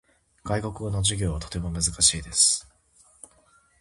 外国語の授業はとても難しいです。